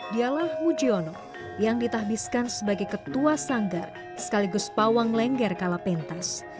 dialah mujiono yang ditahbiskan sebagai ketua sanggar sekaligus pawang lengger kalapentas